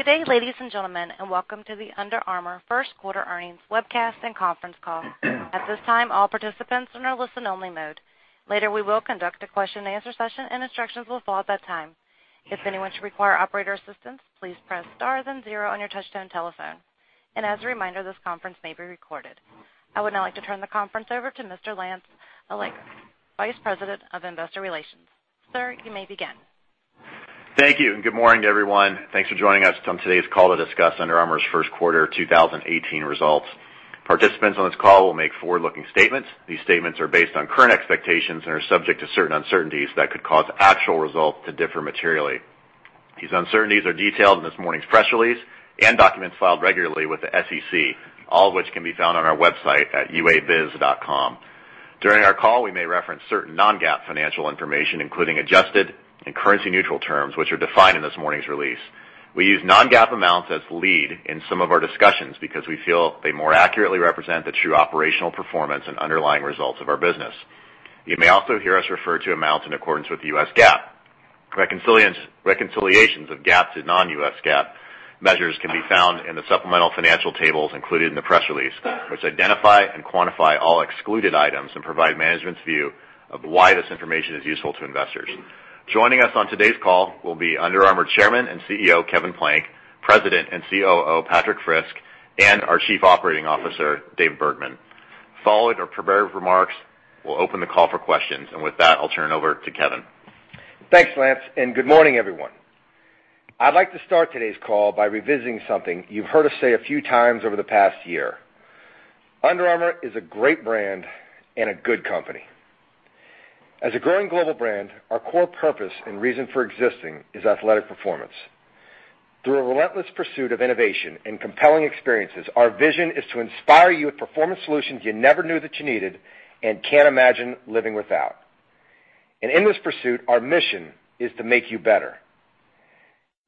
Good day, ladies and gentlemen, welcome to the Under Armour first quarter earnings webcast and conference call. At this time, all participants are in a listen-only mode. Later, we will conduct a question-and-answer session, and instructions will follow at that time. If anyone should require operator assistance, please press star then zero on your Touch-Tone telephone. As a reminder, this conference may be recorded. I would now like to turn the conference over to Mr. Lance Allega, Vice President of Investor Relations. Sir, you may begin. Thank you. Good morning, everyone. Thanks for joining us on today's call to discuss Under Armour's first quarter 2018 results. Participants on this call will make forward-looking statements. These statements are based on current expectations and are subject to certain uncertainties that could cause actual results to differ materially. These uncertainties are detailed in this morning's press release and documents filed regularly with the SEC, all of which can be found on our website at underarmour.com. During our call, we may reference certain non-GAAP financial information, including adjusted and currency-neutral terms, which are defined in this morning's release. We use non-GAAP amounts as lead in some of our discussions because we feel they more accurately represent the true operational performance and underlying results of our business. You may also hear us refer to amounts in accordance with U.S. GAAP. Reconciliations of GAAP to non-U.S. GAAP measures can be found in the supplemental financial tables included in the press release, which identify and quantify all excluded items and provide management's view of why this information is useful to investors. Joining us on today's call will be Under Armour Chairman and CEO, Kevin Plank; President and COO, Patrik Frisk; and our Chief Financial Officer, David Bergman. Following our prepared remarks, we'll open the call for questions. With that, I'll turn it over to Kevin. Thanks, Lance. Good morning, everyone. I'd like to start today's call by revisiting something you've heard us say a few times over the past year. Under Armour is a great brand and a good company. As a growing global brand, our core purpose and reason for existing is athletic performance. Through a relentless pursuit of innovation and compelling experiences, our vision is to inspire you with performance solutions you never knew that you needed and can't imagine living without. In this pursuit, our mission is to make you better.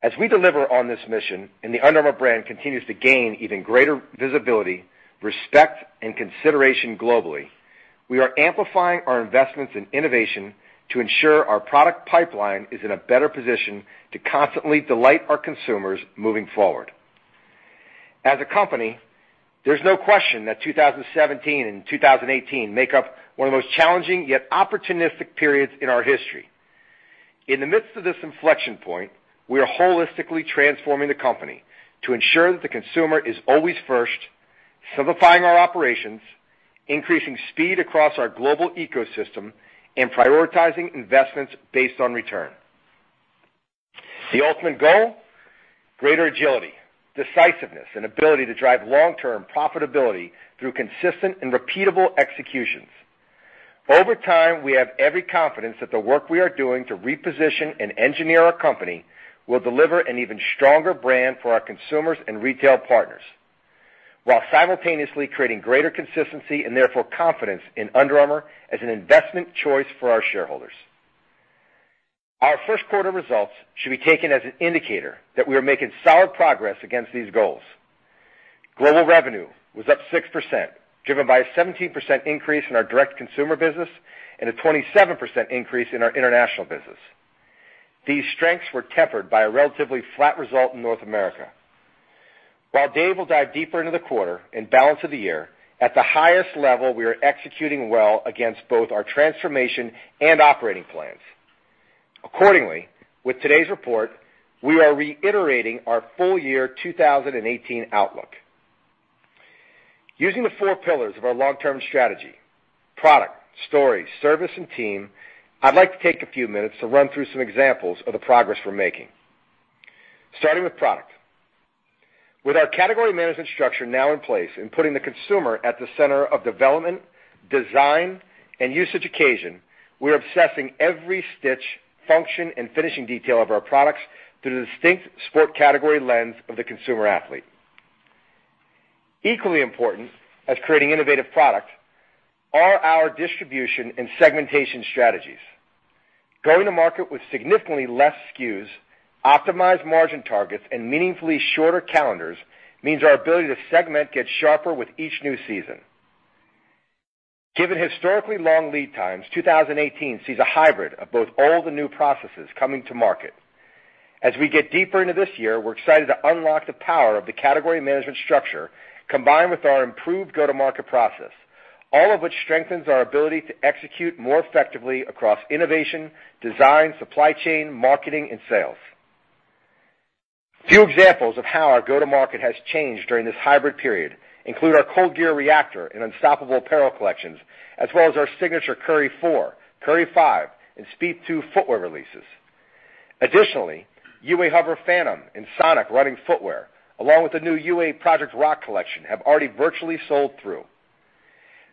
As we deliver on this mission and the Under Armour brand continues to gain even greater visibility, respect, and consideration globally, we are amplifying our investments in innovation to ensure our product pipeline is in a better position to constantly delight our consumers moving forward. As a company, there's no question that 2017 and 2018 make up one of the most challenging yet opportunistic periods in our history. In the midst of this inflection point, we are holistically transforming the company to ensure that the consumer is always first, simplifying our operations, increasing speed across our global ecosystem, and prioritizing investments based on return. The ultimate goal? Greater agility, decisiveness, and ability to drive long-term profitability through consistent and repeatable executions. Over time, we have every confidence that the work we are doing to reposition and engineer our company will deliver an even stronger brand for our consumers and retail partners while simultaneously creating greater consistency and therefore confidence in Under Armour as an investment choice for our shareholders. Our first quarter results should be taken as an indicator that we are making solid progress against these goals. Global revenue was up 6%, driven by a 17% increase in our direct consumer business and a 27% increase in our international business. These strengths were tempered by a relatively flat result in North America. While Dave will dive deeper into the quarter and balance of the year, at the highest level, we are executing well against both our transformation and operating plans. Accordingly, with today's report, we are reiterating our full year 2018 outlook. Using the four pillars of our long-term strategy, product, story, service, and team, I'd like to take a few minutes to run through some examples of the progress we're making. Starting with product. With our category management structure now in place and putting the consumer at the center of development, design, and usage occasion, we are obsessing every stitch, function, and finishing detail of our products through the distinct sport category lens of the consumer athlete. Equally important as creating innovative product are our distribution and segmentation strategies. Going to market with significantly less SKUs, optimized margin targets, and meaningfully shorter calendars means our ability to segment gets sharper with each new season. Given historically long lead times, 2018 sees a hybrid of both old and new processes coming to market. As we get deeper into this year, we're excited to unlock the power of the category management structure, combined with our improved go-to-market process, all of which strengthens our ability to execute more effectively across innovation, design, supply chain, marketing, and sales. A few examples of how our go-to-market has changed during this hybrid period include our ColdGear Reactor and Unstoppable apparel collections, as well as our signature Curry 4, Curry 5, and Speed two footwear releases. Additionally, UA HOVR Phantom and Sonic running footwear, along with the new UA Project Rock collection, have already virtually sold through.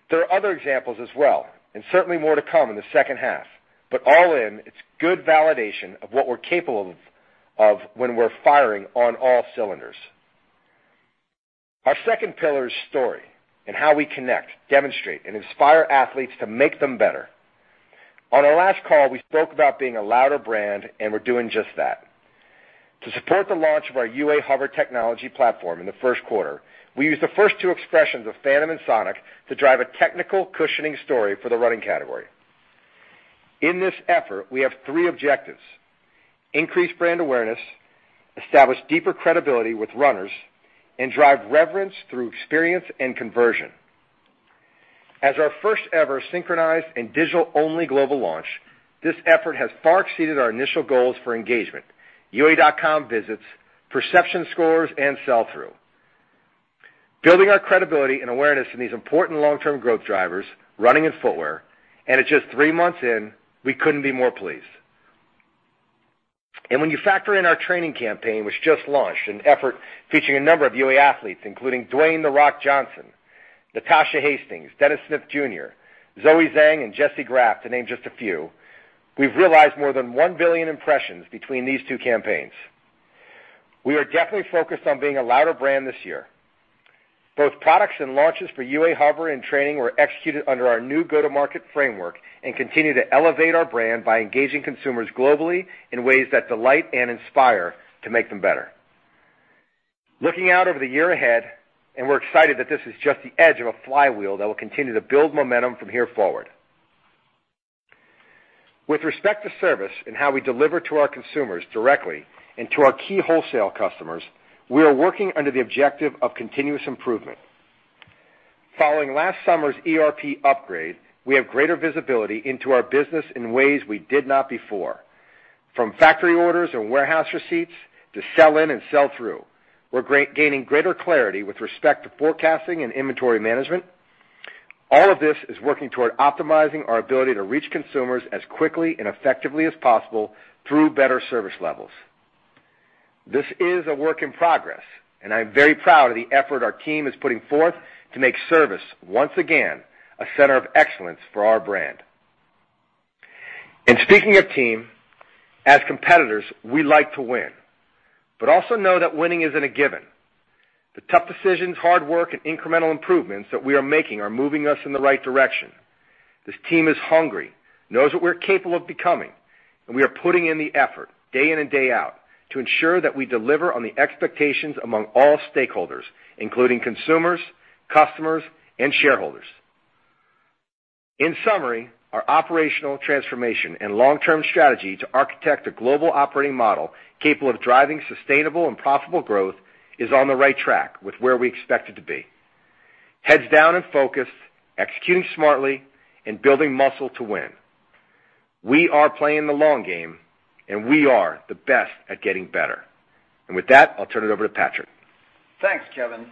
There are other examples as well, and certainly more to come in the second half. All in, it's good validation of what we're capable of when we're firing on all cylinders. Our second pillar is story and how we connect, demonstrate, and inspire athletes to make them better. On our last call, we spoke about being a louder brand, and we're doing just that. To support the launch of our UA HOVR technology platform in the first quarter, we used the first two expressions of Phantom and Sonic to drive a technical cushioning story for the running category. In this effort, we have three objectives: increase brand awareness, establish deeper credibility with runners, and drive reverence through experience and conversion. As our first-ever synchronized and digital-only global launch, this effort has far exceeded our initial goals for engagement, underarmour.com visits, perception scores, and sell-through. Building our credibility and awareness in these important long-term growth drivers, running and footwear, and at just three months in, we couldn't be more pleased. When you factor in our training campaign, which just launched an effort featuring a number of UA athletes, including Dwayne The Rock Johnson, Natasha Hastings, Dennis Smith Jr., Zoe Zhang, and Jessie Graff, to name just a few, we've realized more than one billion impressions between these two campaigns. We are definitely focused on being a louder brand this year. Both products and launches for UA HOVR and Training were executed under our new go-to-market framework and continue to elevate our brand by engaging consumers globally in ways that delight and inspire to make them better. Looking out over the year ahead, we're excited that this is just the edge of a flywheel that will continue to build momentum from here forward. With respect to service and how we deliver to our consumers directly and to our key wholesale customers, we are working under the objective of continuous improvement. Following last summer's ERP upgrade, we have greater visibility into our business in ways we did not before. From factory orders and warehouse receipts to sell-in and sell-through, we're gaining greater clarity with respect to forecasting and inventory management. All of this is working toward optimizing our ability to reach consumers as quickly and effectively as possible through better service levels. This is a work in progress, I am very proud of the effort our team is putting forth to make service, once again, a center of excellence for our brand. Speaking of team, as competitors, we like to win, but also know that winning isn't a given. The tough decisions, hard work, and incremental improvements that we are making are moving us in the right direction. This team is hungry, knows what we're capable of becoming, and we are putting in the effort, day in and day out, to ensure that we deliver on the expectations among all stakeholders, including consumers, customers, and shareholders. In summary, our operational transformation and long-term strategy to architect a global operating model capable of driving sustainable and profitable growth is on the right track with where we expect it to be. Heads down and focused, executing smartly, and building muscle to win. We are playing the long game, and we are the best at getting better. With that, I'll turn it over to Patrik. Thanks, Kevin.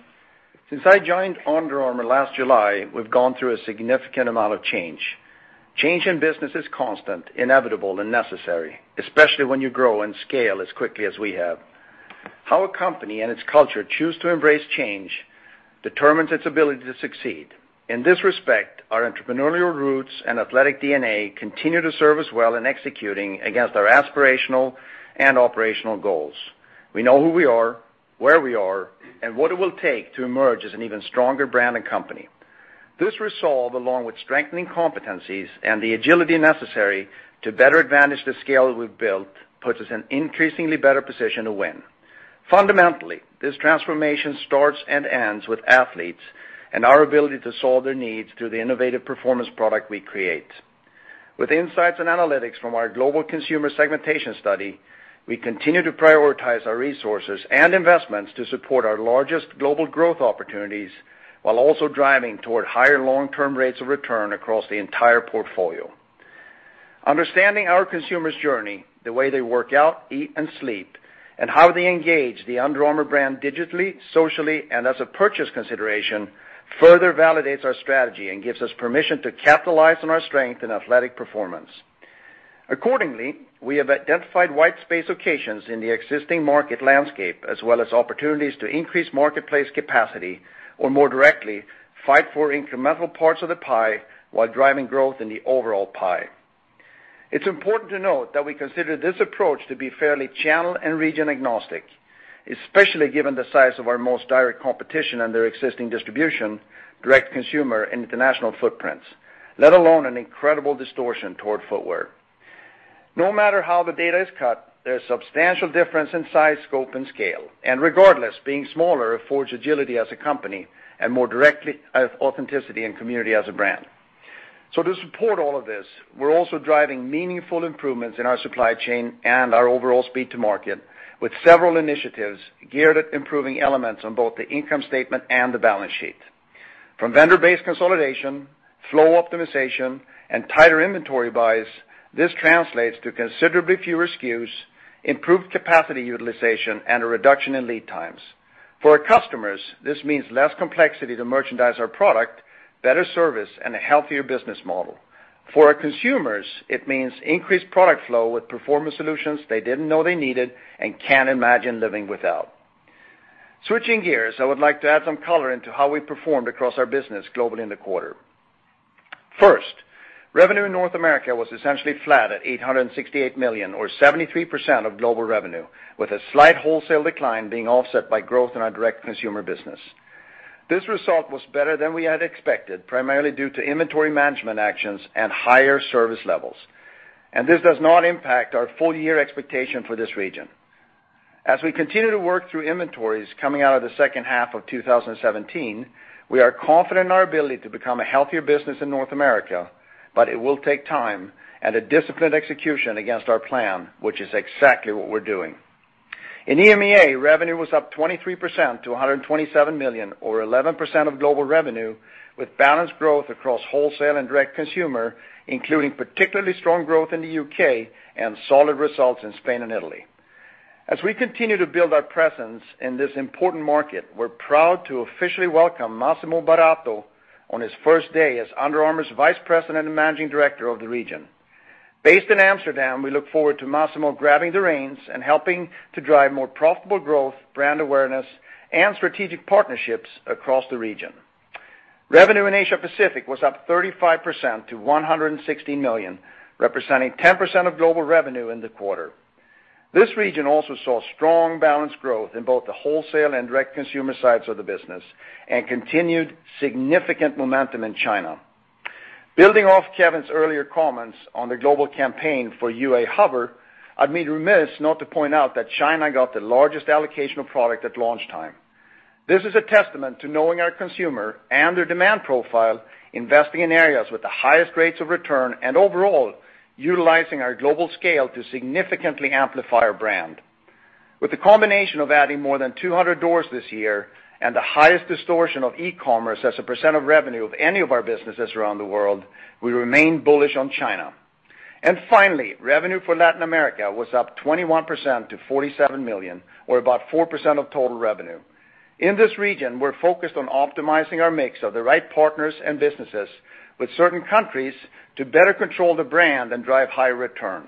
Since I joined Under Armour last July, we've gone through a significant amount of change. Change in business is constant, inevitable, and necessary, especially when you grow and scale as quickly as we have. How a company and its culture choose to embrace change determines its ability to succeed. In this respect, our entrepreneurial roots and athletic DNA continue to serve us well in executing against our aspirational and operational goals. We know who we are, where we are, and what it will take to emerge as an even stronger brand and company. This resolve, along with strengthening competencies and the agility necessary to better advantage the scale that we've built, puts us in increasingly better position to win. Fundamentally, this transformation starts and ends with athletes and our ability to solve their needs through the innovative performance product we create. With insights and analytics from our global consumer segmentation study, we continue to prioritize our resources and investments to support our largest global growth opportunities, while also driving toward higher long-term rates of return across the entire portfolio. Understanding our consumers' journey, the way they work out, eat, and sleep, and how they engage the Under Armour brand digitally, socially, and as a purchase consideration, further validates our strategy and gives us permission to capitalize on our strength in athletic performance. Accordingly, we have identified white space occasions in the existing market landscape as well as opportunities to increase marketplace capacity or more directly fight for incremental parts of the pie while driving growth in the overall pie. It's important to note that we consider this approach to be fairly channel and region agnostic, especially given the size of our most direct competition and their existing distribution, direct-to-consumer, and international footprints, let alone an incredible distortion toward footwear. No matter how the data is cut, there's substantial difference in size, scope, and scale. Regardless, being smaller affords agility as a company and more directly of authenticity and community as a brand. To support all of this, we're also driving meaningful improvements in our supply chain and our overall speed to market with several initiatives geared at improving elements on both the income statement and the balance sheet. From vendor-based consolidation, flow optimization, and tighter inventory buys, this translates to considerably fewer SKUs, improved capacity utilization, and a reduction in lead times. For our customers, this means less complexity to merchandise our product, better service, and a healthier business model. For our consumers, it means increased product flow with performance solutions they didn't know they needed and can't imagine living without. Switching gears, I would like to add some color into how we performed across our business globally in the quarter. First, revenue in North America was essentially flat at $868 million or 73% of global revenue, with a slight wholesale decline being offset by growth in our direct consumer business. This result was better than we had expected, primarily due to inventory management actions and higher service levels. This does not impact our full-year expectation for this region. As we continue to work through inventories coming out of the second half of 2017, we are confident in our ability to become a healthier business in North America, but it will take time and a disciplined execution against our plan, which is exactly what we're doing. In EMEA, revenue was up 23% to $127 million, or 11% of global revenue, with balanced growth across wholesale and direct-to-consumer, including particularly strong growth in the U.K. and solid results in Spain and Italy. As we continue to build our presence in this important market, we're proud to officially welcome Massimo Baratto on his first day as Under Armour's Vice President and Managing Director of the region. Based in Amsterdam, we look forward to Massimo grabbing the reins and helping to drive more profitable growth, brand awareness, and strategic partnerships across the region. Revenue in Asia Pacific was up 35% to $116 million, representing 10% of global revenue in the quarter. This region also saw strong, balanced growth in both the wholesale and direct-to-consumer sides of the business and continued significant momentum in China. Building off Kevin's earlier comments on the global campaign for UA HOVR, I'd be remiss not to point out that China got the largest allocation of product at launch time. This is a testament to knowing our consumer and their demand profile, investing in areas with the highest rates of return, and overall, utilizing our global scale to significantly amplify our brand. With the combination of adding more than 200 doors this year and the highest distortion of e-commerce as a percent of revenue of any of our businesses around the world, we remain bullish on China. Finally, revenue for Latin America was up 21% to $47 million, or about 4% of total revenue. In this region, we're focused on optimizing our mix of the right partners and businesses with certain countries to better control the brand and drive higher return.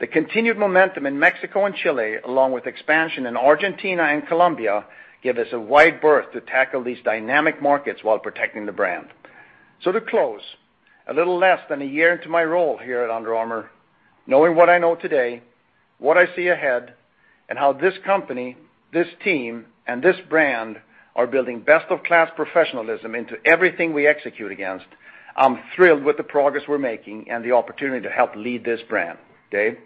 The continued momentum in Mexico and Chile, along with expansion in Argentina and Colombia, give us a wide berth to tackle these dynamic markets while protecting the brand. To close, a little less than a year into my role here at Under Armour, knowing what I know today, what I see ahead, and how this company, this team, and this brand are building best-of-class professionalism into everything we execute against, I'm thrilled with the progress we're making and the opportunity to help lead this brand. Dave?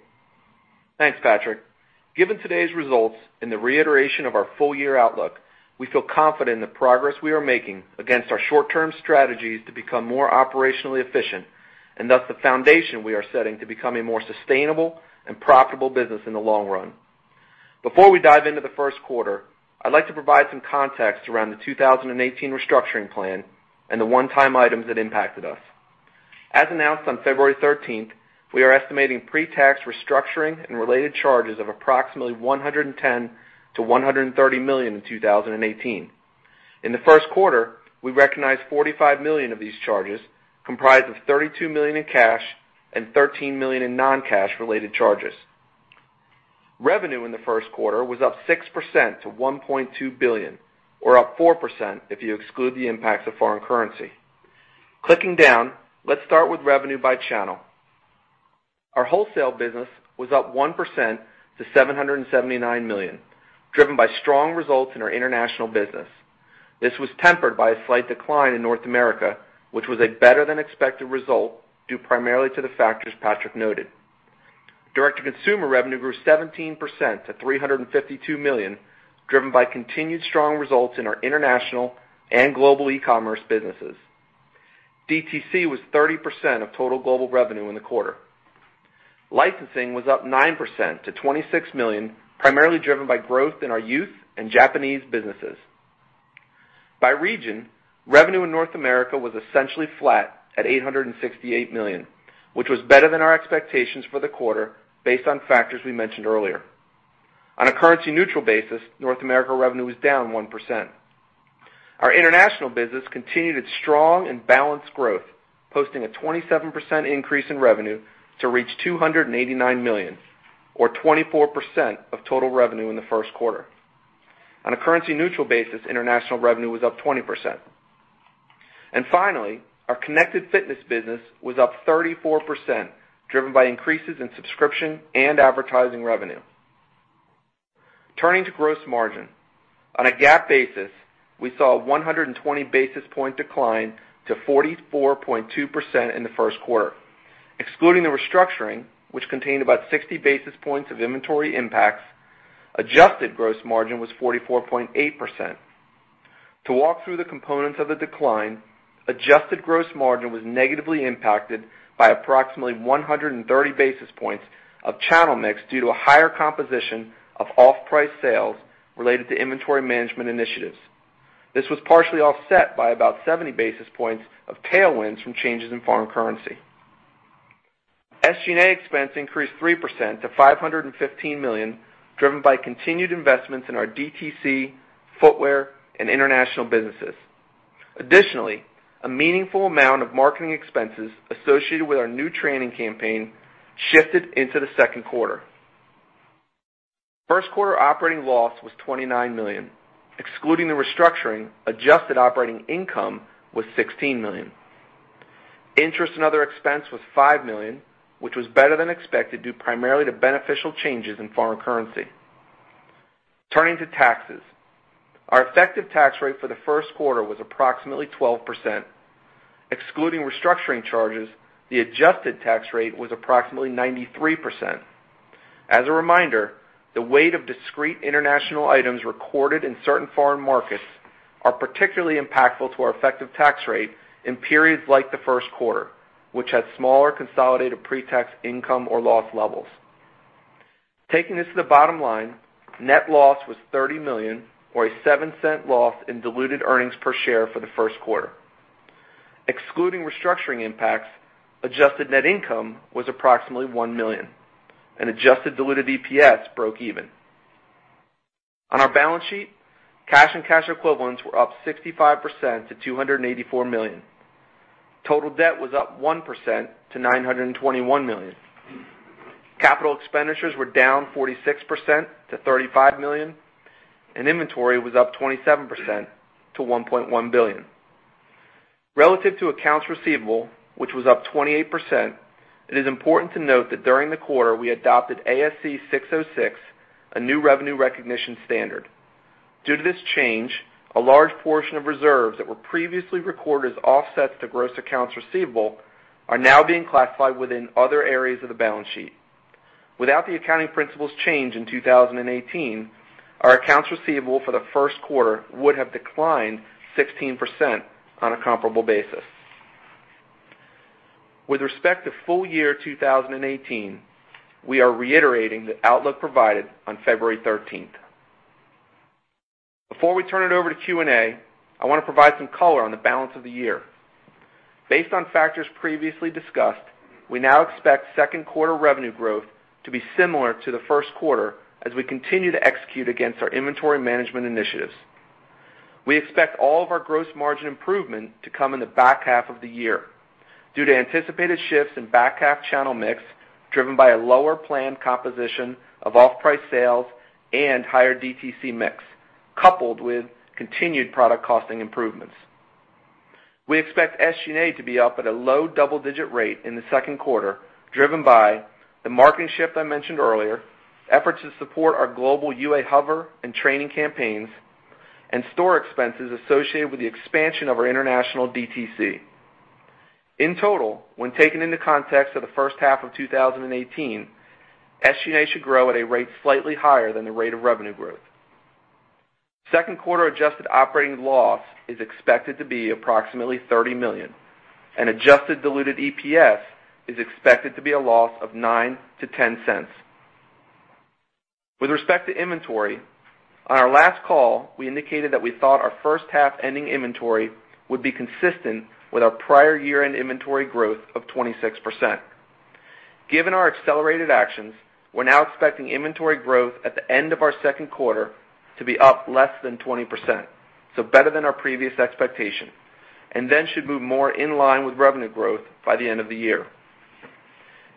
Thanks, Patrik. Given today's results and the reiteration of our full-year outlook, we feel confident in the progress we are making against our short-term strategies to become more operationally efficient, and thus the foundation we are setting to become a more sustainable and profitable business in the long run. Before we dive into the first quarter, I'd like to provide some context around the 2018 restructuring plan and the one-time items that impacted us. As announced on February 13th, we are estimating pre-tax restructuring and related charges of approximately $110 million-$130 million in 2018. In the first quarter, we recognized $45 million of these charges, comprised of $32 million in cash and $13 million in non-cash related charges. Revenue in the first quarter was up 6% to $1.2 billion, or up 4% if you exclude the impacts of foreign currency. Clicking down, let's start with revenue by channel. Our wholesale business was up 1% to $779 million, driven by strong results in our international business. This was tempered by a slight decline in North America, which was a better-than-expected result, due primarily to the factors Patrik noted. Direct-to-consumer revenue grew 17% to $352 million, driven by continued strong results in our international and global e-commerce businesses. DTC was 30% of total global revenue in the quarter. Licensing was up 9% to $26 million, primarily driven by growth in our youth and Japanese businesses. By region, revenue in North America was essentially flat at $868 million, which was better than our expectations for the quarter based on factors we mentioned earlier. On a currency-neutral basis, North America revenue was down 1%. Our international business continued its strong and balanced growth, posting a 27% increase in revenue to reach $289 million, or 24% of total revenue in the first quarter. On a currency-neutral basis, international revenue was up 20%. Finally, our connected fitness business was up 34%, driven by increases in subscription and advertising revenue. Turning to gross margin. On a GAAP basis, we saw a 120-basis-point decline to 44.2% in the first quarter. Excluding the restructuring, which contained about 60 basis points of inventory impacts, adjusted gross margin was 44.8%. To walk through the components of the decline, adjusted gross margin was negatively impacted by approximately 130 basis points of channel mix due to a higher composition of off-price sales related to inventory management initiatives. This was partially offset by about 70 basis points of tailwinds from changes in foreign currency. SG&A expense increased 3% to $515 million, driven by continued investments in our DTC, footwear, and international businesses. Additionally, a meaningful amount of marketing expenses associated with our new training campaign shifted into the second quarter. First quarter operating loss was $29 million. Excluding the restructuring, adjusted operating income was $16 million. Interest and other expense was $5 million, which was better than expected due primarily to beneficial changes in foreign currency. Turning to taxes. Our effective tax rate for the first quarter was approximately 12%. Excluding restructuring charges, the adjusted tax rate was approximately 93%. As a reminder, the weight of discrete international items recorded in certain foreign markets are particularly impactful to our effective tax rate in periods like the first quarter, which had smaller consolidated pre-tax income or loss levels. Taking this to the bottom line, net loss was $30 million, or a $0.07 loss in diluted earnings per share for the first quarter. Excluding restructuring impacts, adjusted net income was approximately $1 million, and adjusted diluted EPS broke even. On our balance sheet, cash and cash equivalents were up 65% to $284 million. Total debt was up 1% to $921 million. Capital expenditures were down 46% to $35 million, and inventory was up 27% to $1.1 billion. Relative to accounts receivable, which was up 28%, it is important to note that during the quarter, we adopted ASC 606, a new revenue recognition standard. Due to this change, a large portion of reserves that were previously recorded as offsets to gross accounts receivable are now being classified within other areas of the balance sheet. Without the accounting principles change in 2018, our accounts receivable for the first quarter would have declined 16% on a comparable basis. With respect to full year 2018, we are reiterating the outlook provided on February 13th. Before we turn it over to Q&A, I want to provide some color on the balance of the year. Based on factors previously discussed, we now expect second quarter revenue growth to be similar to the first quarter as we continue to execute against our inventory management initiatives. We expect all of our gross margin improvement to come in the back half of the year due to anticipated shifts in back half channel mix, driven by a lower planned composition of off-price sales and higher DTC mix, coupled with continued product costing improvements. We expect SG&A to be up at a low double-digit rate in the second quarter, driven by the market shift I mentioned earlier, efforts to support our global UA HOVR and training campaigns, and store expenses associated with the expansion of our international DTC. In total, when taken into context of the first half of 2018, SG&A should grow at a rate slightly higher than the rate of revenue growth. Second quarter adjusted operating loss is expected to be approximately $30 million, and adjusted diluted EPS is expected to be a loss of $0.09-$0.10. With respect to inventory, on our last call, we indicated that we thought our first half ending inventory would be consistent with our prior year-end inventory growth of 26%. Given our accelerated actions, we are now expecting inventory growth at the end of our second quarter to be up less than 20%, so better than our previous expectation, then should move more in line with revenue growth by the end of the year.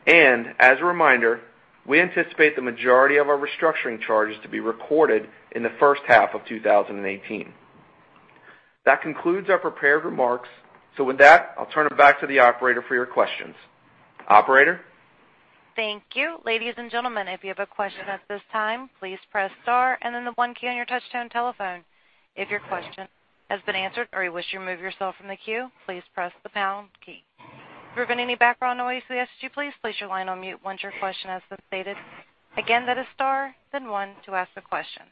As a reminder, we anticipate the majority of our restructuring charges to be recorded in the first half of 2018. That concludes our prepared remarks. With that, I will turn it back to the operator for your questions. Operator? Thank you. Ladies and gentlemen, if you have a question at this time, please press star and then the one key on your touchtone telephone. If your question has been answered or you wish to remove yourself from the queue, please press the pound key. To prevent any background noise to the SG, please place your line on mute once your question has been stated. Again, that is star, then one to ask the question.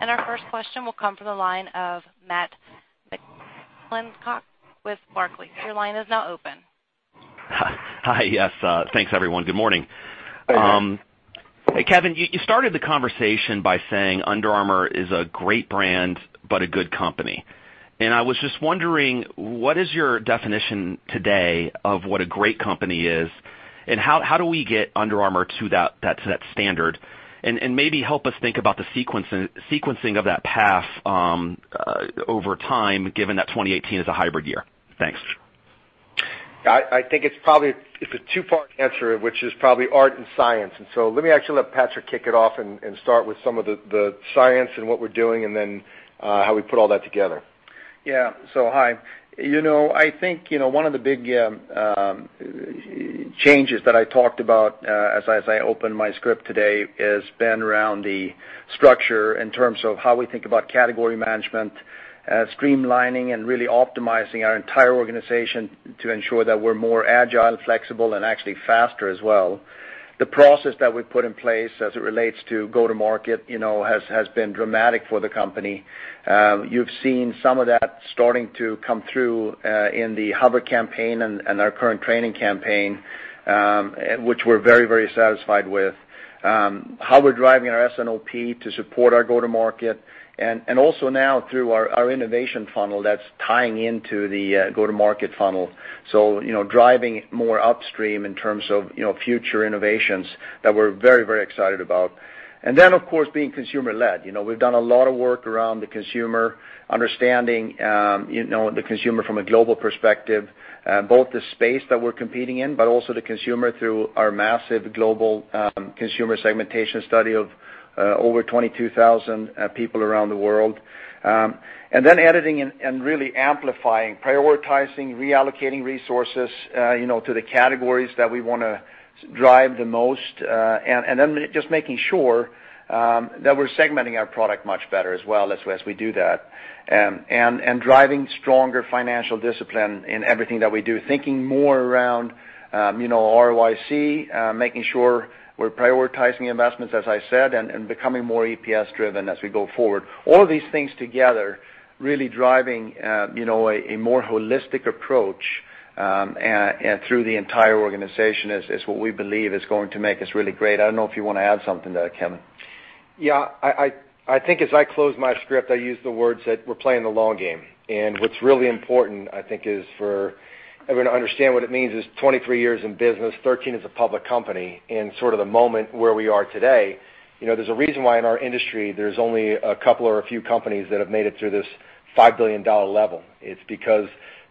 Our first question will come from the line of Matthew McClintock with Barclays. Your line is now open. Hi. Yes, thanks everyone. Good morning. Good morning. Kevin, you started the conversation by saying Under Armour is a great brand, but a good company. I was just wondering, what is your definition today of what a great company is? How do we get Under Armour to that standard? Maybe help us think about the sequencing of that path over time, given that 2018 is a hybrid year. Thanks. I think it's a two-part answer, which is probably art and science. Let me actually let Patrik kick it off and start with some of the science and what we're doing, then how we put all that together. Yeah. So hi. I think one of the big changes that I talked about as I opened my script today has been around the structure in terms of how we think about category management, streamlining and really optimizing our entire organization to ensure that we're more agile, flexible, and actually faster as well. The process that we've put in place as it relates to go-to-market has been dramatic for the company. You've seen some of that starting to come through, in the HOVR campaign and our current training campaign, which we're very satisfied with. How we're driving our S&OP to support our go-to-market, and also now through our innovation funnel that's tying into the go-to-market funnel. Driving more upstream in terms of future innovations that we're very excited about. Then, of course, being consumer-led. We've done a lot of work around the consumer, understanding the consumer from a global perspective, both the space that we're competing in, but also the consumer through our massive global consumer segmentation study of over 22,000 people around the world. Editing and really amplifying, prioritizing, reallocating resources to the categories that we want to drive the most. Just making sure that we're segmenting our product much better as well as we do that. Driving stronger financial discipline in everything that we do, thinking more around ROIC, making sure we're prioritizing investments, as I said, and becoming more EPS-driven as we go forward. All of these things together really driving a more holistic approach through the entire organization is what we believe is going to make us really great. I don't know if you want to add something to that, Kevin. Yeah. I think as I closed my script, I used the words that we're playing the long game. What's really important, I think, is for everyone to understand what it means is 23 years in business, 13 as a public company, and sort of the moment where we are today. There's a reason why in our industry, there's only a couple or a few companies that have made it through this $5 billion level. It's because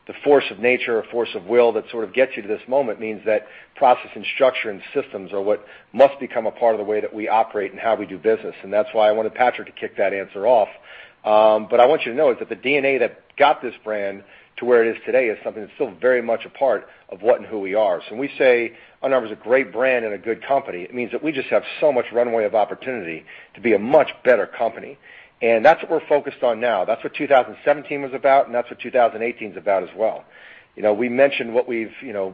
the force of nature or force of will that sort of gets you to this moment means that process and structure and systems are what must become a part of the way that we operate and how we do business. That's why I wanted Patrik to kick that answer off. I want you to know that the DNA that got this brand to where it is today is something that's still very much a part of what and who we are. When we say Under Armour is a great brand and a good company, it means that we just have so much runway of opportunity to be a much better company. That's what we're focused on now. That's what 2017 was about, that's what 2018 is about as well. We mentioned what we've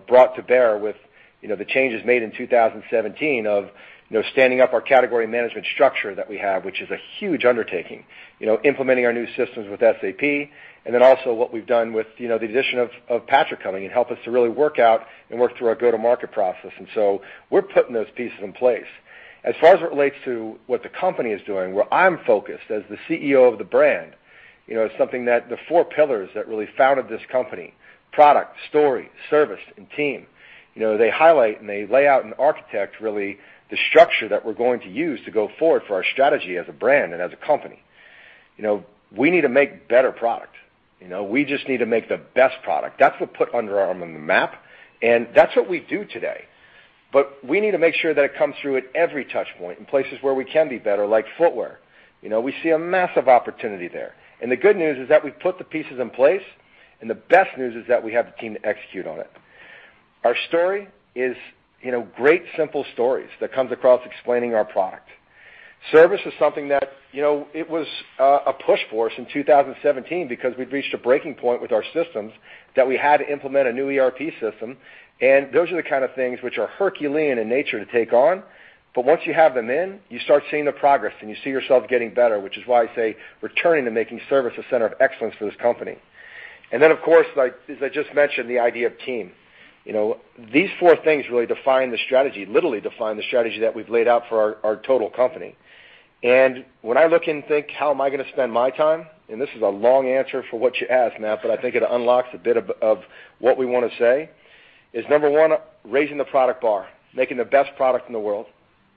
brought to bear with the changes made in 2017 of standing up our category management structure that we have, which is a huge undertaking. Implementing our new systems with SAP, also what we've done with the addition of Patrik coming and help us to really work out and work through our go-to-market process. We're putting those pieces in place. As far as it relates to what the company is doing, where I'm focused as the CEO of the brand, something that the four pillars that really founded this company, product, story, service, and team. They highlight and they lay out and architect, really, the structure that we're going to use to go forward for our strategy as a brand and as a company. We need to make better product. We just need to make the best product. That's what put Under Armour on the map, that's what we do today. We need to make sure that it comes through at every touch point in places where we can be better, like footwear. We see a massive opportunity there. The good news is that we've put the pieces in place, the best news is that we have the team to execute on it. Our story is great, simple stories that come across explaining our product. Service is something that it was a push for us in 2017 because we'd reached a breaking point with our systems that we had to implement a new ERP system. Those are the kind of things which are Herculean in nature to take on. Once you have them in, you start seeing the progress, and you see yourself getting better, which is why I say returning to making service a center of excellence for this company. Then, of course, as I just mentioned, the idea of team. These four things really define the strategy, literally define the strategy that we've laid out for our total company. When I look and think, how am I going to spend my time, this is a long answer for what you asked, Matt, but I think it unlocks a bit of what we want to say, is number 1, raising the product bar, making the best product in the world.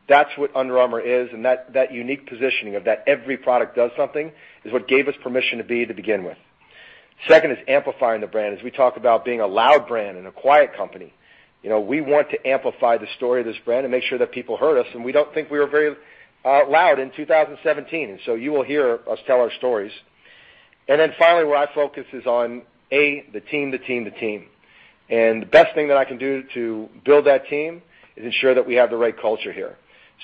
That's what Under Armour is, and that unique positioning of that every product does something is what gave us permission to be to begin with. Second is amplifying the brand, as we talk about being a loud brand in a quiet company. We want to amplify the story of this brand and make sure that people heard us, and we don't think we were very loud in 2017. You will hear us tell our stories. Then finally, where I focus is on, A, the team. The best thing that I can do to build that team is ensure that we have the right culture here.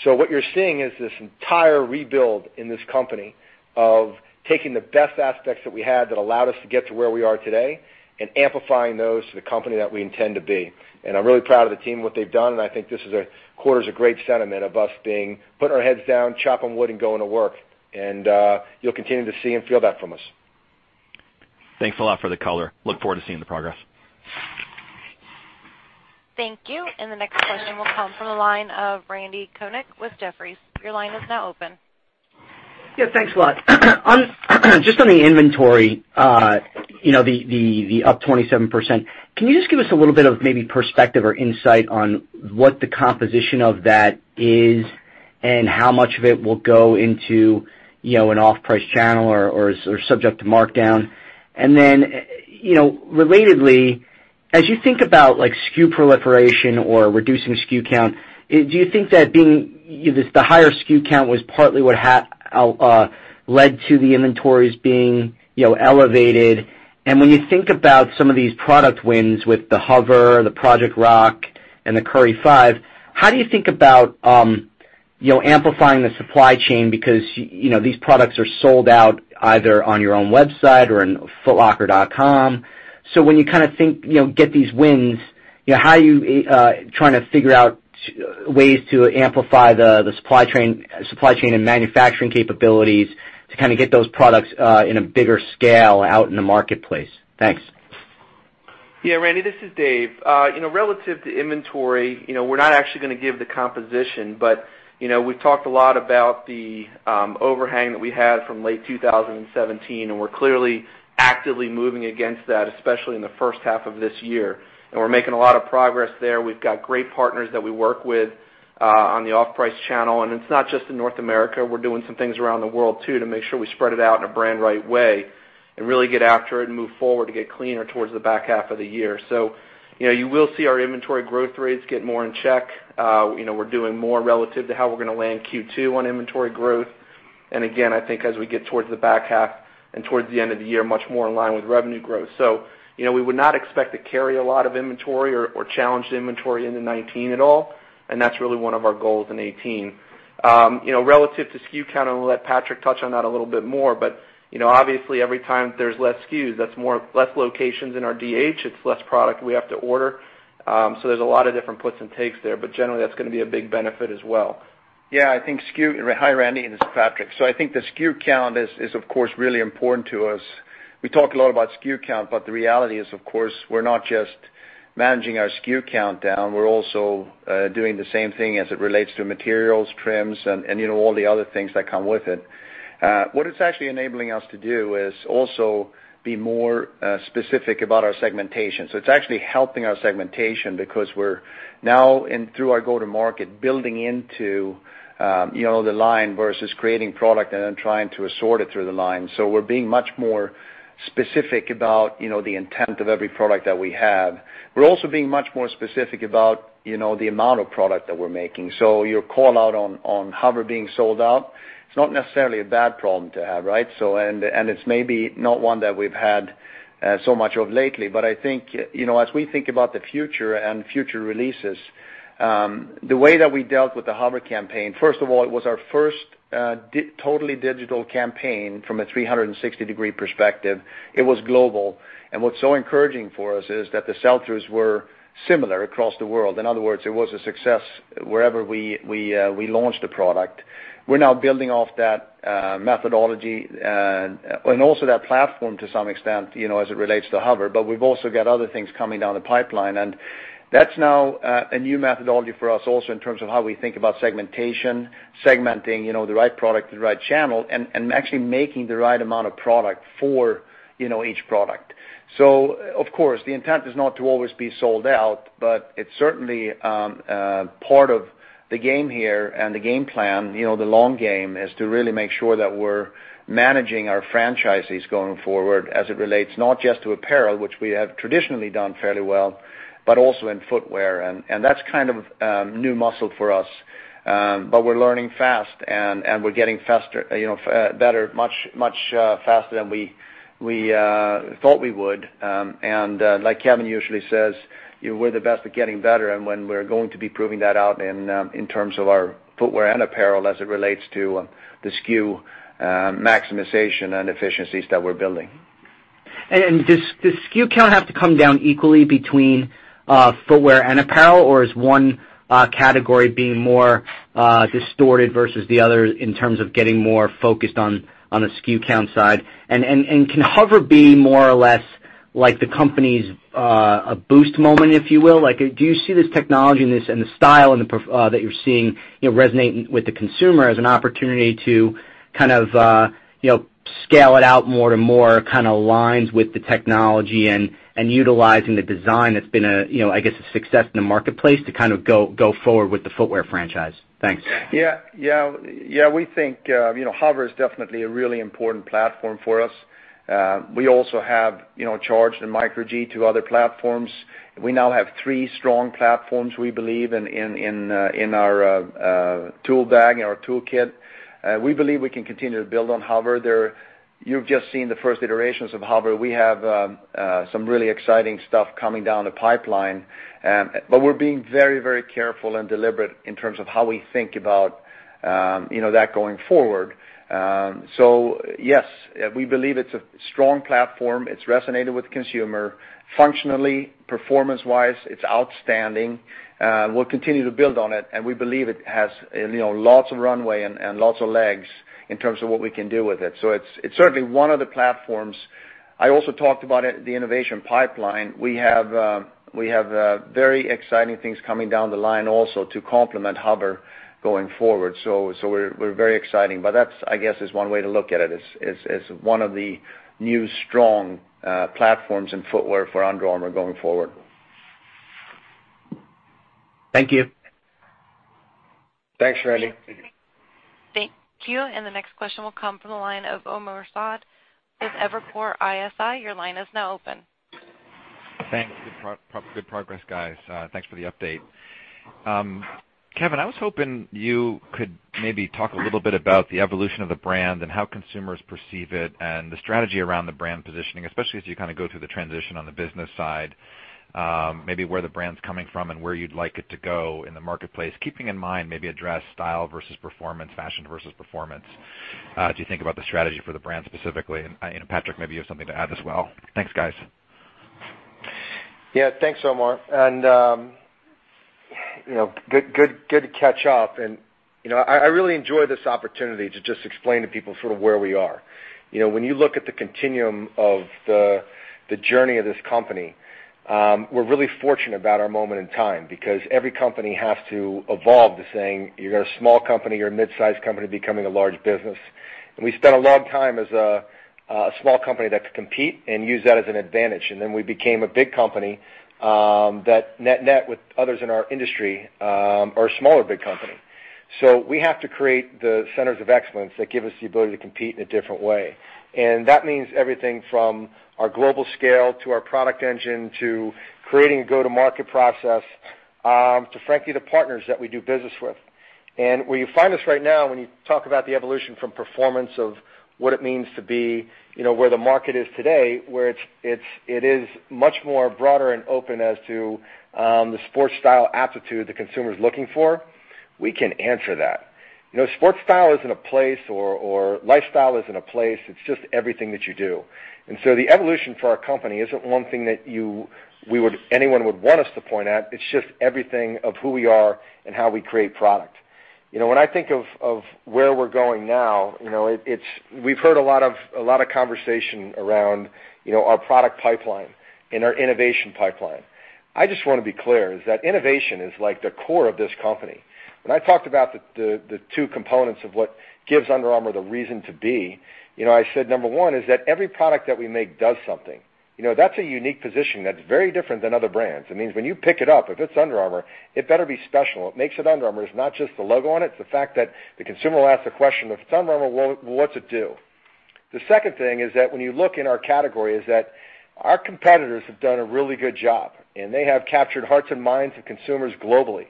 What you're seeing is this entire rebuild in this company of taking the best aspects that we had that allowed us to get to where we are today and amplifying those to the company that we intend to be. I'm really proud of the team and what they've done, and I think this quarter's a great sentiment of us being put our heads down, chopping wood, and going to work. You'll continue to see and feel that from us. Thanks a lot for the color. Look forward to seeing the progress. Thank you. The next question will come from the line of Randal Konik with Jefferies. Your line is now open. Yeah, thanks a lot. Just on the inventory, the up 27%, can you just give us a little bit of maybe perspective or insight on what the composition of that is and how much of it will go into an off-price channel or is subject to markdown? Then relatedly, as you think about SKU proliferation or reducing SKU count, do you think that the higher SKU count was partly what led to the inventories being elevated? When you think about some of these product wins with the HOVR, the Project Rock, and the Curry 5, how do you think about amplifying the supply chain because these products are sold out either on your own website or in footlocker.com. When you get these wins, how are you trying to figure out ways to amplify the supply chain and manufacturing capabilities to get those products in a bigger scale out in the marketplace? Thanks. Yeah, Randy, this is Dave. Relative to inventory, we're not actually going to give the composition, but we've talked a lot about the overhang that we had from late 2017, we're clearly actively moving against that, especially in the first half of this year. We're making a lot of progress there. We've got great partners that we work with on the off-price channel, and it's not just in North America. We're doing some things around the world, too, to make sure we spread it out in a brand right way and really get after it and move forward to get cleaner towards the back half of the year. You will see our inventory growth rates get more in check. We're doing more relative to how we're going to land Q2 on inventory growth. I think as we get towards the back half and towards the end of the year, much more in line with revenue growth. We would not expect to carry a lot of inventory or challenge the inventory into 2019 at all, and that's really one of our goals in 2018. Relative to SKU count, I'm going to let Patrik touch on that a little bit more, but obviously every time there's less SKUs, that's less locations in our DC, it's less product we have to order. Generally that's going to be a big benefit as well. Hi Randy, this is Patrik. I think the SKU count is of course, really important to us. We talk a lot about SKU count, but the reality is, of course, we're not just managing our SKU count down. We're also doing the same thing as it relates to materials, trims, and all the other things that come with it. What it's actually enabling us to do is also be more specific about our segmentation. It's actually helping our segmentation because we're now, and through our go-to-market, building into the line versus creating product and then trying to assort it through the line. We're being much more specific about the intent of every product that we have. We're also being much more specific about the amount of product that we're making. Your call out on HOVR being sold out, it's not necessarily a bad problem to have, right? It's maybe not one that we've had so much of lately, but I think, as we think about the future and future releases, the way that we dealt with the HOVR campaign, first of all, it was our first totally digital campaign from a 360-degree perspective. It was global. What's so encouraging for us is that the sell-throughs were similar across the world. In other words, it was a success wherever we launched a product. We're now building off that methodology and also that platform to some extent as it relates to HOVR. We've also got other things coming down the pipeline, and that's now a new methodology for us also in terms of how we think about segmentation, segmenting the right product to the right channel, and actually making the right amount of product for each product. Of course, the intent is not to always be sold out, but it's certainly part of the game here and the game plan. The long game is to really make sure that we're managing our franchises going forward as it relates not just to apparel, which we have traditionally done fairly well, but also in footwear. That's kind of new muscle for us. We're learning fast, and we're getting better much faster than we thought we would. Like Kevin usually says, "We're the best at getting better." We're going to be proving that out in terms of our footwear and apparel as it relates to the SKU maximization and efficiencies that we're building. Does SKU count have to come down equally between footwear and apparel, or is one category being more distorted versus the other in terms of getting more focused on the SKU count side? Can HOVR be more or less like the company's Boost moment, if you will? Do you see this technology and the style that you're seeing resonating with the consumer as an opportunity to scale it out more to more lines with the technology and utilizing the design that's been, I guess, a success in the marketplace to go forward with the footwear franchise? Thanks. Yeah. We think HOVR is definitely a really important platform for us. We also have Charged and Micro G, two other platforms. We now have three strong platforms, we believe, in our tool bag, in our toolkit. We believe we can continue to build on HOVR. You've just seen the first iterations of HOVR. We have some really exciting stuff coming down the pipeline. Yes, we're being very careful and deliberate in terms of how we think about that going forward. Yes, we believe it's a strong platform. It's resonated with the consumer. Functionally, performance-wise, it's outstanding. We'll continue to build on it, and we believe it has lots of runway and lots of legs in terms of what we can do with it. It's certainly one of the platforms. I also talked about the innovation pipeline. We have very exciting things coming down the line also to complement HOVR going forward. We're very exciting. That, I guess, is one way to look at it, as one of the new strong platforms in footwear for Under Armour going forward. Thank you. Thanks, Randy. Thank you. The next question will come from the line of Omar Saad with Evercore ISI. Your line is now open. Thanks. Good progress, guys. Thanks for the update. Kevin, I was hoping you could maybe talk a little bit about the evolution of the brand and how consumers perceive it and the strategy around the brand positioning, especially as you go through the transition on the business side. Maybe where the brand's coming from and where you'd like it to go in the marketplace, keeping in mind maybe address style versus performance, fashion versus performance. As you think about the strategy for the brand specifically, Patrik, maybe you have something to add as well. Thanks, guys. Yeah. Thanks, Omar. Good to catch up. I really enjoy this opportunity to just explain to people sort of where we are. When you look at the continuum of the journey of this company, we're really fortunate about our moment in time because every company has to evolve to saying, you're a small company, you're a mid-size company becoming a large business. We spent a long time as a small company that could compete and use that as an advantage. Then we became a big company that net with others in our industry are a smaller, big company. We have to create the centers of excellence that give us the ability to compete in a different way. That means everything from our global scale to our product engine, to creating a go-to-market process, to frankly, the partners that we do business with. Where you find us right now, when you talk about the evolution from performance of what it means to be, where the market is today, where it is much more broader and open as to the sports style aptitude the consumer's looking for, we can answer that. Sports style isn't a place or lifestyle isn't a place, it's just everything that you do. The evolution for our company isn't one thing that anyone would want us to point at. It's just everything of who we are and how we create product. When I think of where we're going now, we've heard a lot of conversation around our product pipeline and our innovation pipeline. I just want to be clear, is that innovation is like the core of this company. When I talked about the two components of what gives Under Armour the reason to be, I said number one is that every product that we make does something. That's a unique position that's very different than other brands. It means when you pick it up, if it's Under Armour, it better be special. What makes it Under Armour is not just the logo on it's the fact that the consumer will ask the question, "If it's Under Armour, well, what's it do?" The second thing is that when you look in our category, is that our competitors have done a really good job, and they have captured hearts and minds of consumers globally.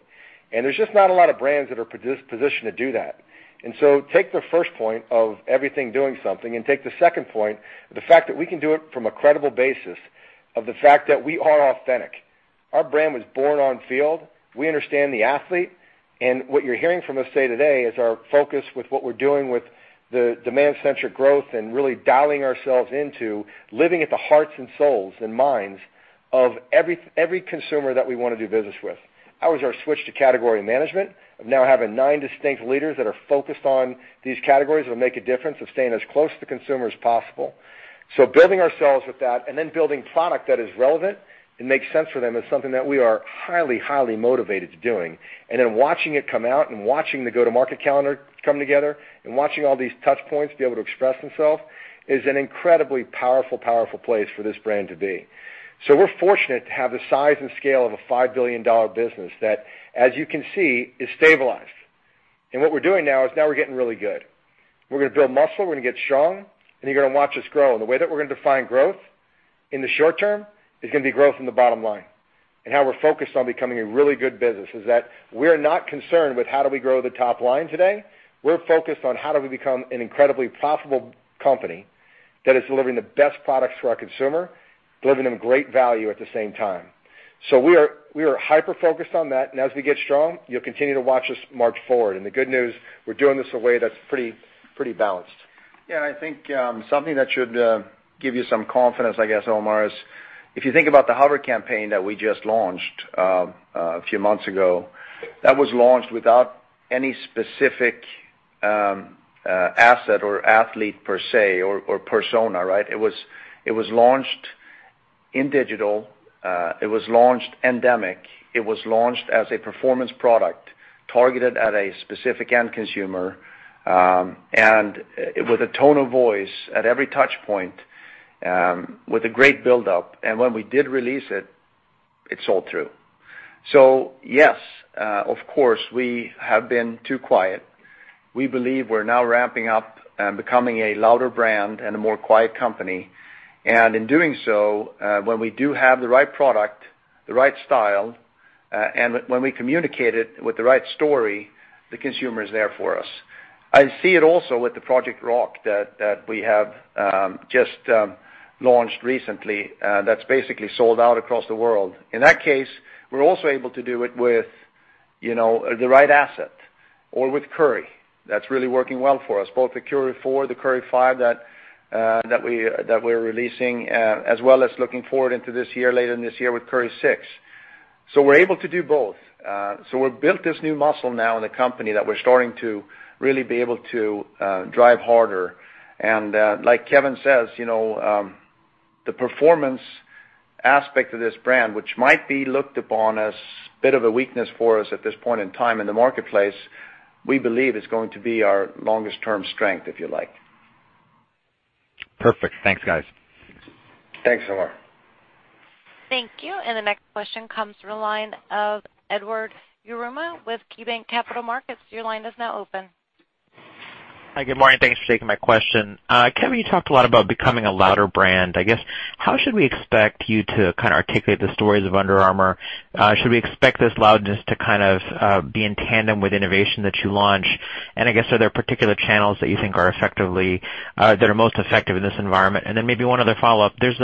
There's just not a lot of brands that are positioned to do that. Take the first point of everything doing something, and take the second point, the fact that we can do it from a credible basis, of the fact that we are authentic. Our brand was born on field. We understand the athlete. What you're hearing from us today is our focus with what we're doing with the demand-centric growth and really dialing ourselves into living at the hearts and souls and minds of every consumer that we want to do business with. That was our switch to category management, of now having nine distinct leaders that are focused on these categories that will make a difference of staying as close to consumer as possible. Building ourselves with that and then building product that is relevant and makes sense for them is something that we are highly motivated to doing. Watching it come out and watching the go-to-market calendar come together and watching all these touch points be able to express themselves is an incredibly powerful place for this brand to be. We're fortunate to have the size and scale of a $5 billion business that, as you can see, is stabilized. What we're doing now is now we're getting really good. We're going to build muscle, we're going to get strong, and you're going to watch us grow. The way that we're going to define growth in the short term is going to be growth in the bottom line. How we're focused on becoming a really good business is that we're not concerned with how do we grow the top line today. We're focused on how do we become an incredibly profitable company that is delivering the best products for our consumer, delivering them great value at the same time. We are hyper-focused on that, and as we get strong, you'll continue to watch us march forward. The good news, we're doing this in a way that's pretty balanced. I think something that should give you some confidence, I guess, Omar, is if you think about the HOVR campaign that we just launched a few months ago, that was launched without any specific asset or athlete per se or persona, right? It was launched in digital. It was launched endemic. It was launched as a performance product targeted at a specific end consumer, and with a tone of voice at every touch point, with a great buildup. When we did release it sold through. Yes, of course, we have been too quiet. We believe we're now ramping up and becoming a louder brand and a more quiet company. In doing so, when we do have the right product, the right style, and when we communicate it with the right story, the consumer is there for us. I see it also with the Project Rock that we have just launched recently, that's basically sold out across the world. In that case, we're also able to do it with the right asset or with Curry. That's really working well for us, both the Curry 4, the Curry 5 that we're releasing, as well as looking forward into later in this year with Curry 6. We're able to do both. We built this new muscle now in the company that we're starting to really be able to drive harder. And like Kevin says, the performance aspect of this brand, which might be looked upon as bit of a weakness for us at this point in time in the marketplace, we believe is going to be our longest term strength, if you like. Perfect. Thanks, guys. Thanks, Omar. Thank you. The next question comes from the line of Edward Yruma with KeyBanc Capital Markets. Your line is now open. Hi, good morning. Thanks for taking my question. Kevin, you talked a lot about becoming a louder brand. I guess, how should we expect you to articulate the stories of Under Armour? Should we expect this loudness to be in tandem with innovation that you launch? I guess, are there particular channels that you think that are most effective in this environment? Then maybe one other follow-up. There's,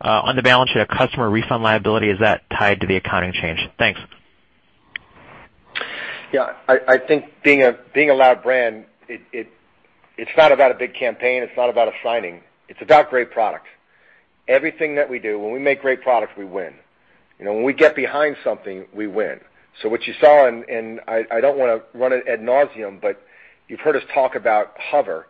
on the balance sheet, a customer refund liability. Is that tied to the accounting change? Thanks. Yeah. I think being a loud brand, it's not about a big campaign, it's not about a signing. It's about great products. Everything that we do, when we make great products, we win. When we get behind something, we win. What you saw, and I don't want to run it ad nauseam, but you've heard us talk about HOVR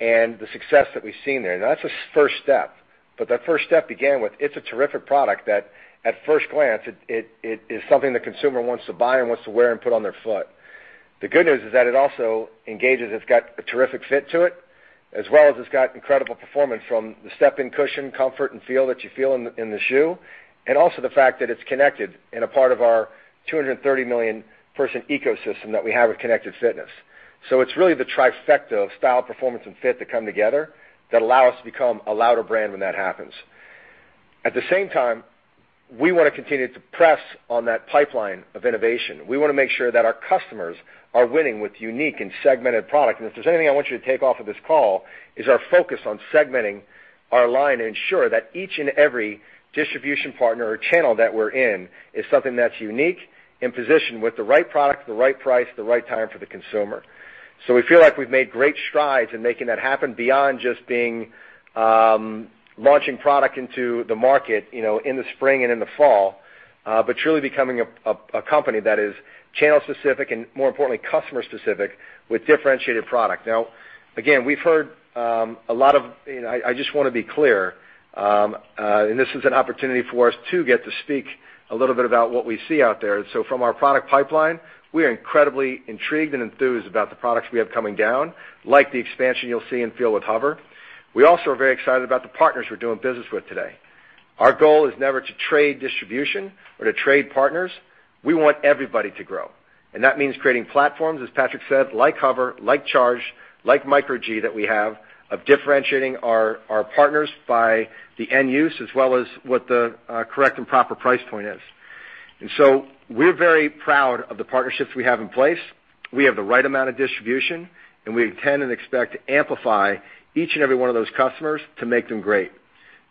and the success that we've seen there. That's a first step. That first step began with, it's a terrific product that at first glance, it is something the consumer wants to buy and wants to wear and put on their foot. The good news is that it also engages. It's got a terrific fit to it, as well as it's got incredible performance from the step-in cushion comfort and feel that you feel in the shoe, and also the fact that it's connected in a part of our 230 million-person ecosystem that we have with Connected Fitness. It's really the trifecta of style, performance, and fit that come together that allow us to become a louder brand when that happens. At the same time, we want to continue to press on that pipeline of innovation. We want to make sure that our customers are winning with unique and segmented product. If there's anything I want you to take off of this call, is our focus on segmenting our line to ensure that each and every distribution partner or channel that we're in is something that's unique, in position with the right product, the right price, the right time for the consumer. We feel like we've made great strides in making that happen beyond just launching product into the market in the spring and in the fall, but truly becoming a company that is channel specific and more importantly, customer specific with differentiated product. Again, we've heard a lot of I just want to be clear, this is an opportunity for us to get to speak a little bit about what we see out there. From our product pipeline, we are incredibly intrigued and enthused about the products we have coming down, like the expansion you'll see in field with HOVR. We also are very excited about the partners we're doing business with today. Our goal is never to trade distribution or to trade partners. We want everybody to grow, and that means creating platforms, as Patrik said, like HOVR, like Charge, like Micro G that we have, of differentiating our partners by the end use as well as what the correct and proper price point is. We're very proud of the partnerships we have in place. We have the right amount of distribution, and we intend and expect to amplify each and every one of those customers to make them great.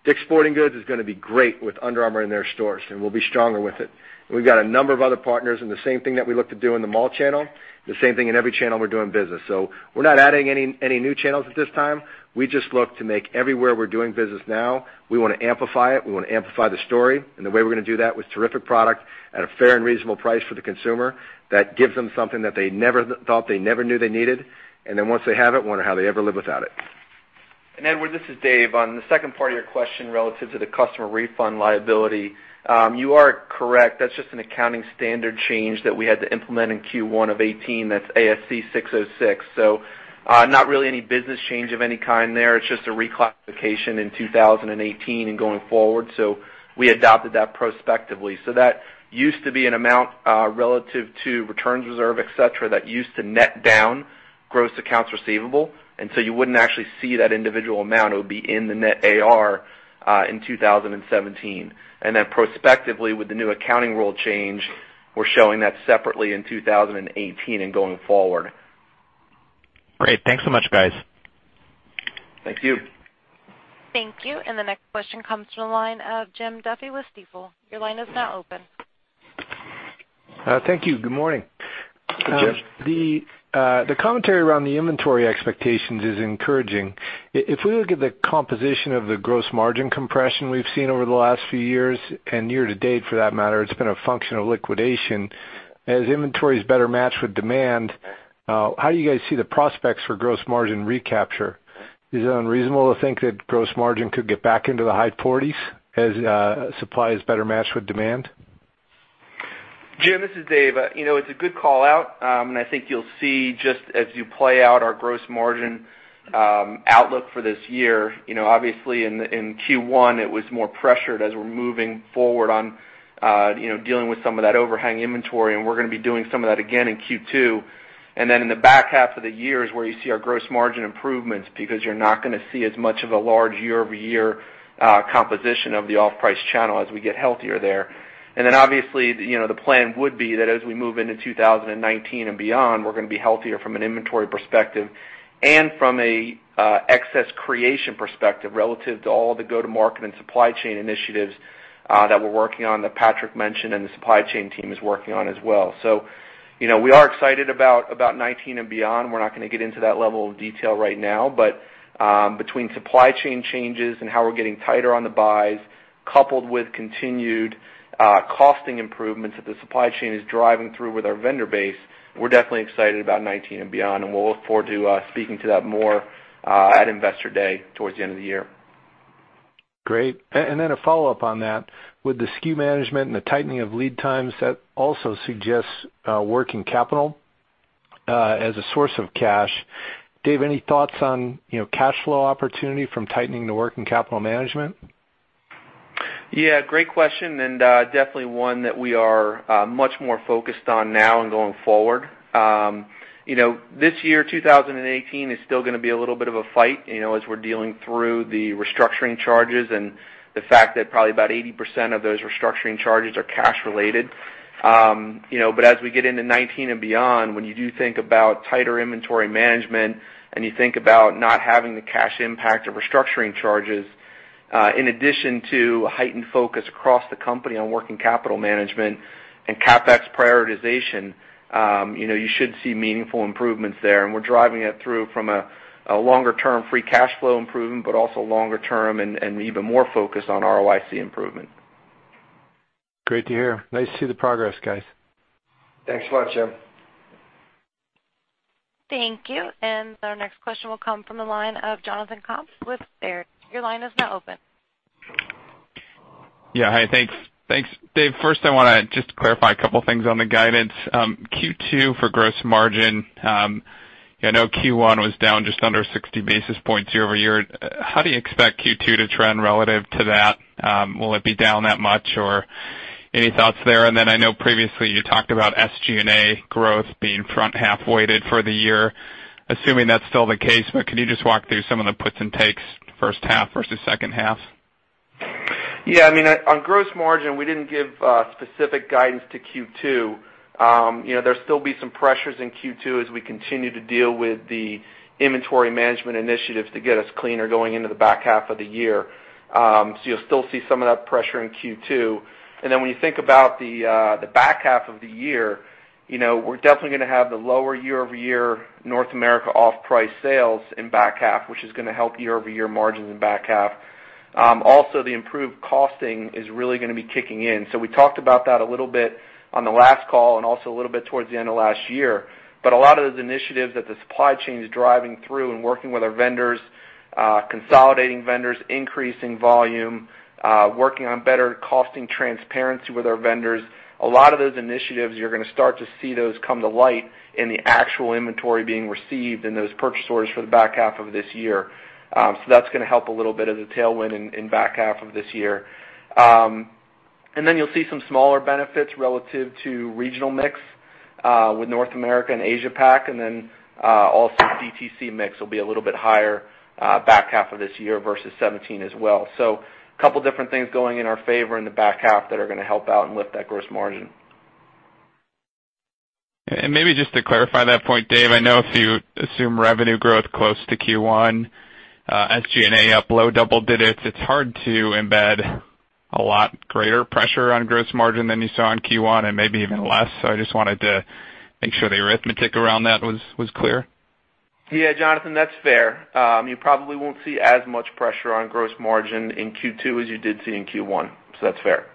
DICK'S Sporting Goods is going to be great with Under Armour in their stores, and we'll be stronger with it. We've got a number of other partners, the same thing that we look to do in the mall channel, the same thing in every channel we're doing business. We're not adding any new channels at this time. We just look to make everywhere we're doing business now, we want to amplify it. We want to amplify the story. The way we're going to do that with terrific product at a fair and reasonable price for the consumer that gives them something that they never thought, they never knew they needed, then once they have it, wonder how they ever lived without it. Edward, this is Dave. On the second part of your question relative to the customer refund liability, you are correct. That's just an accounting standard change that we had to implement in Q1 of 2018. That's ASC 606. Not really any business change of any kind there. It's just a reclassification in 2018 and going forward. We adopted that prospectively. That used to be an amount relative to returns reserve, et cetera, that used to net down gross accounts receivable, you wouldn't actually see that individual amount. It would be in the net AR in 2017. Prospectively, with the new accounting rule change, we're showing that separately in 2018 and going forward. Great. Thanks so much, guys. Thank you. Thank you. The next question comes from the line of Jim Duffy with Stifel. Your line is now open. Thank you. Good morning. Hey, Jim. The commentary around the inventory expectations is encouraging. If we look at the composition of the gross margin compression we've seen over the last few years and year-to-date for that matter, it's been a function of liquidation. As inventories better match with demand, how do you guys see the prospects for gross margin recapture? Is it unreasonable to think that gross margin could get back into the high 40s as supply is better matched with demand? Jim, this is Dave. It's a good call-out. I think you'll see just as you play out our gross margin outlook for this year, obviously in Q1 it was more pressured as we're moving forward on dealing with some of that overhang inventory, and we're going to be doing some of that again in Q2. Then in the back half of the year is where you see our gross margin improvements because you're not going to see as much of a large year-over-year composition of the off-price channel as we get healthier there. Then obviously, the plan would be that as we move into 2019 and beyond, we're going to be healthier from an inventory perspective and from an excess creation perspective relative to all the go-to-market and supply chain initiatives that we're working on, that Patrik mentioned, and the supply chain team is working on as well. We are excited about 2019 and beyond. We're not going to get into that level of detail right now. Between supply chain changes and how we're getting tighter on the buys, coupled with continued costing improvements that the supply chain is driving through with our vendor base, we're definitely excited about 2019 and beyond, and we'll look forward to speaking to that more at Investor Day towards the end of the year. Great. Then a follow-up on that. With the SKU management and the tightening of lead times, that also suggests working capital as a source of cash. Dave, any thoughts on cash flow opportunity from tightening the working capital management? Yeah, great question. Definitely one that we are much more focused on now and going forward. This year, 2018, is still going to be a little bit of a fight as we're dealing through the restructuring charges and the fact that probably about 80% of those restructuring charges are cash related. As we get into 2019 and beyond, when you do think about tighter inventory management and you think about not having the cash impact of restructuring charges, in addition to a heightened focus across the company on working capital management and CapEx prioritization, you should see meaningful improvements there. We're driving it through from a longer-term free cash flow improvement, but also longer term and even more focused on ROIC improvement. Great to hear. Nice to see the progress, guys. Thanks a lot, Jim. Thank you. Our next question will come from the line of Jonathan Komp with Baird. Your line is now open. Yeah. Hi, thanks. Dave, first I want to just clarify a couple things on the guidance. Q2 for gross margin, I know Q1 was down just under 60 basis points year-over-year. How do you expect Q2 to trend relative to that? Will it be down that much or Any thoughts there? I know previously you talked about SG&A growth being front-half weighted for the year. Assuming that's still the case, could you just walk through some of the puts and takes first half versus second half? Yeah. On gross margin, we didn't give specific guidance to Q2. There'll still be some pressures in Q2 as we continue to deal with the inventory management initiatives to get us cleaner going into the back half of the year. You'll still see some of that pressure in Q2. When you think about the back half of the year, we're definitely going to have the lower year-over-year North America off-price sales in back half, which is going to help year-over-year margins in back half. Also, the improved costing is really going to be kicking in. We talked about that a little bit on the last call and also a little bit towards the end of last year. A lot of those initiatives that the supply chain is driving through and working with our vendors, consolidating vendors, increasing volume, working on better costing transparency with our vendors. A lot of those initiatives, you're going to start to see those come to light in the actual inventory being received and those purchase orders for the back half of this year. That's going to help a little bit as a tailwind in back half of this year. You'll see some smaller benefits relative to regional mix, with North America and Asia Pac, also DTC mix will be a little bit higher back half of this year versus 2017 as well. A couple different things going in our favor in the back half that are going to help out and lift that gross margin. Maybe just to clarify that point, Dave, I know if you assume revenue growth close to Q1, SG&A up low double digits, it's hard to embed a lot greater pressure on gross margin than you saw in Q1 and maybe even less. I just wanted to make sure the arithmetic around that was clear. Jonathan, that's fair. You probably won't see as much pressure on gross margin in Q2 as you did see in Q1, that's fair.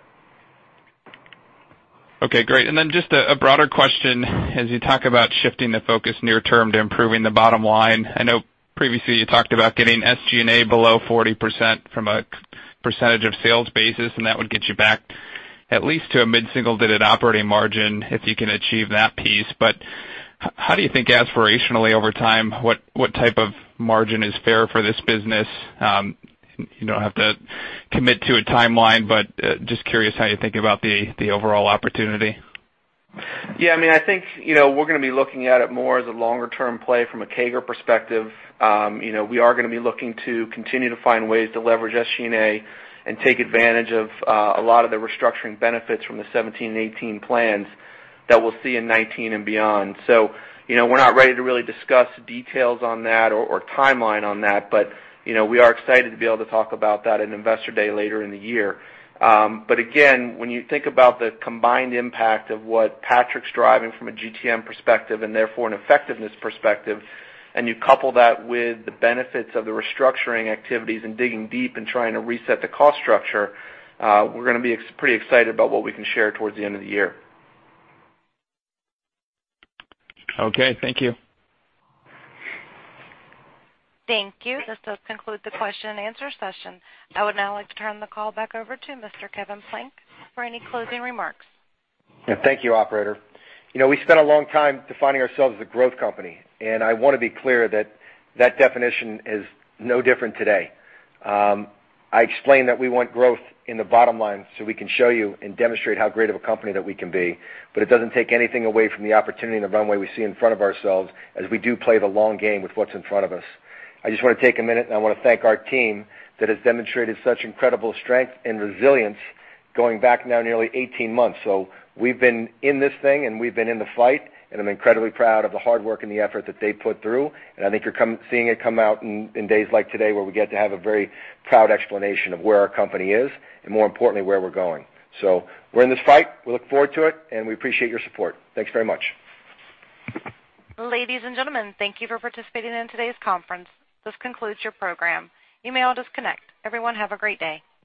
Okay, great. Just a broader question, as you talk about shifting the focus near term to improving the bottom line, I know previously you talked about getting SG&A below 40% from a percentage of sales basis, and that would get you back at least to a mid-single-digit operating margin if you can achieve that piece. How do you think aspirationally over time, what type of margin is fair for this business? You don't have to commit to a timeline, just curious how you think about the overall opportunity. I think, we're going to be looking at it more as a longer-term play from a CAGR perspective. We are going to be looking to continue to find ways to leverage SG&A and take advantage of a lot of the restructuring benefits from the 2017 and 2018 plans that we'll see in 2019 and beyond. We're not ready to really discuss details on that or timeline on that, but we are excited to be able to talk about that at Investor Day later in the year. Again, when you think about the combined impact of what Patrik's driving from a GTM perspective and therefore an effectiveness perspective, and you couple that with the benefits of the restructuring activities and digging deep and trying to reset the cost structure, we're going to be pretty excited about what we can share towards the end of the year. Okay, thank you. Thank you. This does conclude the question and answer session. I would now like to turn the call back over to Mr. Kevin Plank for any closing remarks. Thank you, operator. We spent a long time defining ourselves as a growth company, I want to be clear that that definition is no different today. I explained that we want growth in the bottom line so we can show you and demonstrate how great of a company that we can be. It doesn't take anything away from the opportunity and the runway we see in front of ourselves as we do play the long game with what's in front of us. I just want to take a minute and I want to thank our team that has demonstrated such incredible strength and resilience going back now nearly 18 months. We've been in this thing and we've been in the fight, and I'm incredibly proud of the hard work and the effort that they put through. I think you're seeing it come out in days like today, where we get to have a very proud explanation of where our company is, and more importantly, where we're going. We're in this fight, we look forward to it, and we appreciate your support. Thanks very much. Ladies and gentlemen, thank you for participating in today's conference. This concludes your program. You may all disconnect. Everyone have a great day.